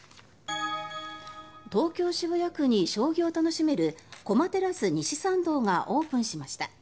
東京・渋谷区に将棋を楽しめる駒テラス西参道がオープンしました。